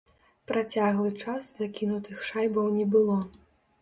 Працяглы час закінутых шайбаў не было.